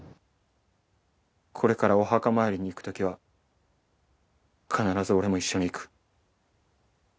これからお墓参りに行く時は必ず俺も一緒に行く。